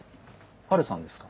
ハルさんですか？